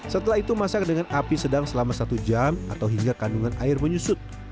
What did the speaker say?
setelah itu masak dengan api sedang selama satu jam atau hingga kandungan air menyusut